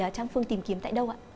trang phương tìm kiếm tại đâu ạ